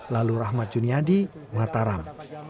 lalu rahmat juniadi mataram